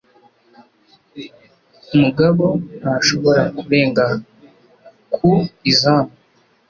mugabo ntashobora kurenga ku izamu